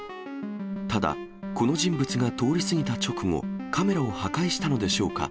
ただ、この人物が通り過ぎた直後、カメラを破壊したのでしょうか。